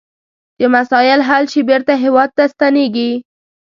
چې مسایل حل شي بیرته هیواد ته ستنیږي.